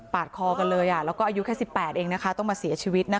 คอกันเลยแล้วก็อายุแค่๑๘เองนะคะต้องมาเสียชีวิตนะคะ